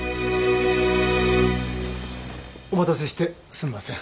お待たせしてすんまっせん。